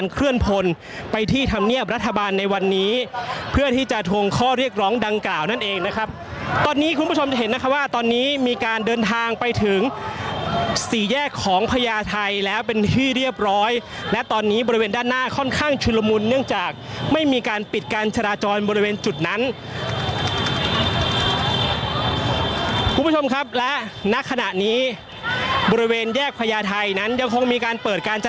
เคลื่อนพลไปที่ทำเนียบรัฐบาลในวันนี้เพื่อที่จะทวงข้อเรียกร้องดังกล่าวนั่นเองนะครับตอนนี้คุณผู้ชมจะเห็นนะคะว่าตอนนี้มีการเดินทางไปถึงสี่แยกของพญาไทยแล้วเป็นที่เรียบร้อยและตอนนี้บริเวณด้านหน้าค่อนข้างชุดละมุนเนื่องจากไม่มีการปิดการจราจรบริเวณจุดนั้นคุณผู้ชมครับและนักขณะนี้บริเวณแ